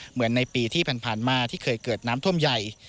เหมือนในปีที่ผ่านมาที่เคยเกิดน้ำท่วมใหญ่